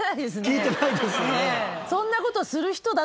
聞いてないですよね。